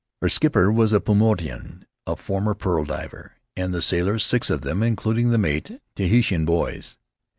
Our skipper was a Paumotuan, a former pearl diver, and the sailors — six of them, including the mate — Tahitian boys.